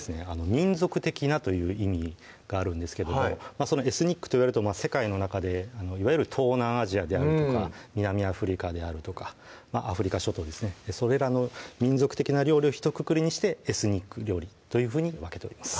「民族的な」という意味があるんですけどもそのエスニックといわれると世界の中でいわゆる東南アジアであるとか南アフリカであるとかまぁアフリカ諸島ですねそれらの民族的な料理をひとくくりにしてエスニック料理というふうに分けております